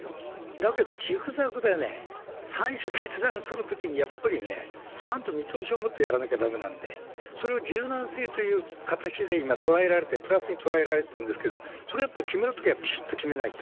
だけど、ジグザグでね、最初決断するときに、やっぱりちゃんと見通しを持ってやらなきゃだめなんで、それを柔軟性という形で今、捉えられて、プラスに捉えられてるんですけど、それはやっぱり、決めるときはきちっと決めないと。